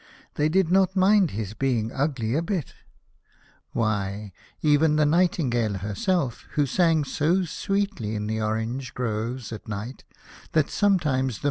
They did not mind his being ugly, a bit. Why, even the nightingale herself, who sang so sweetly in the orange groves at night that sometimes the 46 The Birthday of the Infanta.